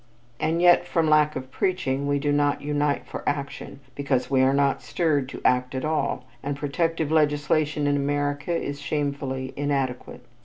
And yet from lack of preaching we do not unite for action because we are not stirred to act at all, and protective legislation in America is shamefully inadequate.